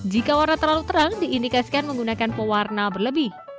jika warna terlalu terang diindikasikan menggunakan pewarna berlebih